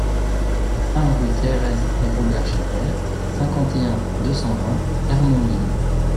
un rue Thérèse et Robert Chapelle, cinquante et un, deux cent vingt, Hermonville